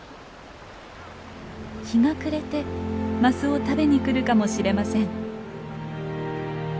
日が暮れてマスを食べにくるかもしれません。